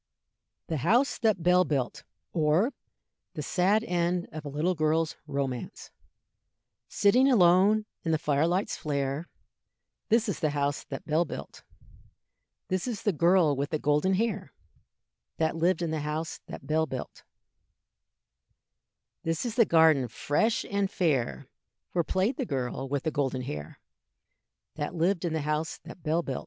THE HOUSE THAT BELL BUILT; Or, the Sad End of a little Girl's Romance. Sitting alone in the fire light's flare, This is the house that Bell built. This is the girl with the golden hair, That lived in the house that Bell built. This is the garden fresh and fair, Where played the girl with the golden hair, That lived in the house that Bell built.